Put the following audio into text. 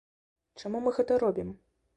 Чаму мы гэта робім?